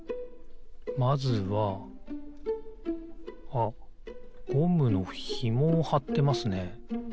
あっゴムのひもをはってますね。